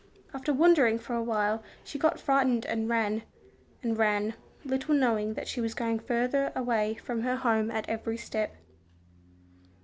After wandering for a while she got frightened and ran, and ran, little knowing that she was going further away from her home at every step.